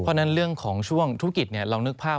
เพราะฉะนั้นเรื่องของช่วงธุรกิจเรานึกภาพ